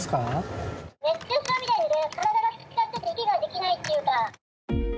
熱中症みたいで、体がつっちゃってて、息ができないっていうか。